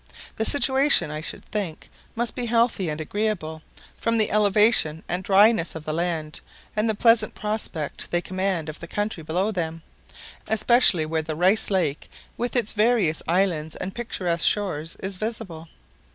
The situation, I should think, must be healthy and agreeable, from the elevation and dryness of the land, and the pleasant prospect they command of the country below them, especially where the Rice Lake, with its various islands and picturesque shores, is visible.